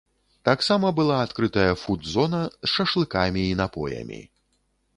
Таксама была адкрытая фуд-зона з шашлыкамі і напоямі.